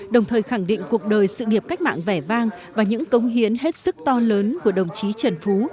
đồng thời khẳng định cuộc đời sự nghiệp cách mạng vẻ vang và những cống hiến hết sức to lớn của đồng chí trần phú